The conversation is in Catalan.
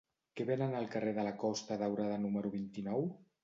Què venen al carrer de la Costa Daurada número vint-i-nou?